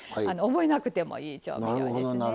覚えなくてもいい状況ですね。